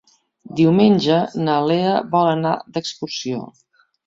Diumenge na Lea vol anar d'excursió.